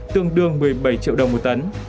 tương đương một mươi bảy triệu đồng một tấn